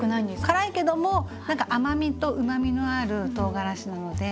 辛いけども何か甘みとうまみのあるとうがらしなので。